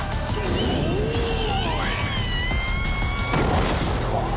おっと。